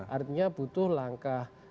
artinya butuh langkah